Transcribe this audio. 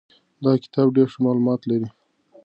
دغه کتاب ډېر ښه معلومات لري.